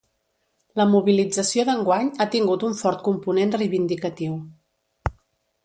La mobilització d’enguany ha tingut un fort component reivindicatiu.